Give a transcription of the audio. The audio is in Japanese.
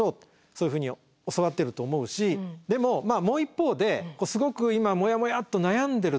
そういうふうに教わってると思うしでもまあもう一方ですごく私なんか決められない。